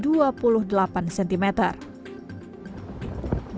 jalur kereta api di antara stasiun semarang tawang alas tua di jalur hilir